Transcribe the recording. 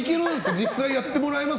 実際やってもらえます？